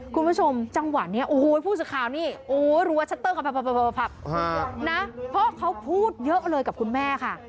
คุณผู้ชมจังหวะเนี่ยโอ้โฮพูดสักคราวนี้โอ้โฮรัวชัตเติ้ลครับนะเพราะเขาพูดเยอะเลยกับคุณแม่ค่ะ